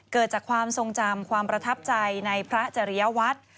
เกิดจากความทรงจำความประทับใจในพระจริยวัตร